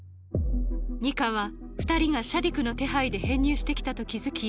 ニカは二人がシャディクの手配で編入してきたと気付き